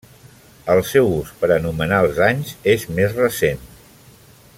El seu ús per anomenar els anys és més recent.